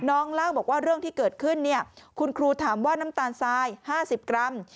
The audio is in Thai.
น้องล่างบอกว่าเรื่องที่เกิดขึ้นเนี่ยคุณครูถามว่าน้ำตาลซายห้าสิบกรัม